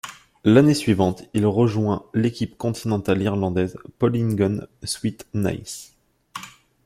L'année suivante, il rejoint l'équipe continentale irlandaise Polygon Sweet Nice.